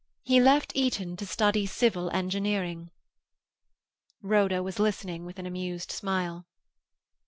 He left Eton to study civil engineering." Rhoda was listening with an amused smile.